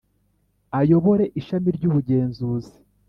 Ayobore ishami ry ubugenzuzi